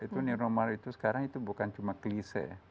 itu new normal itu sekarang itu bukan cuma klise